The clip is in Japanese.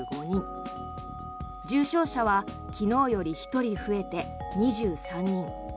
重症者は昨日より１人増えて２３人。